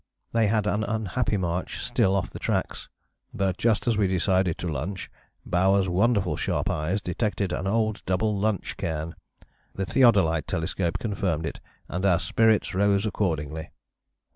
They had an unhappy march still off the tracks, "but just as we decided to lunch, Bowers' wonderful sharp eyes detected an old double lunch cairn, the theodolite telescope confirmed it, and our spirits rose accordingly."